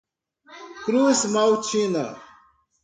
Cruzmaltina